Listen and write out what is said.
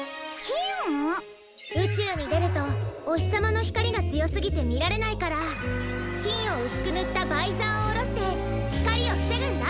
うちゅうにでるとおひさまのひかりがつよすぎてみられないからきんをうすくぬったバイザーをおろしてひかりをふせぐんだ。